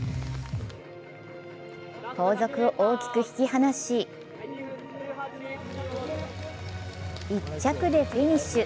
後続を大きく引き離し１着でフィニッシュ。